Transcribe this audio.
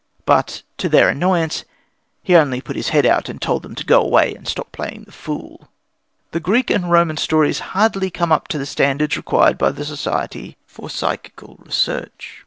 But, to their annoyance, he only put his head out and told them to go away and stop playing the fool. The Greek and Roman stories hardly come up to the standards required by the Society for Psychical Research.